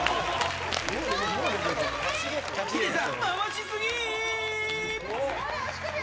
ヒデさん、回しすぎー。